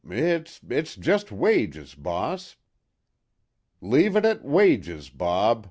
"It's it's jest wages, boss." "Leave it at 'wages,' Bob!"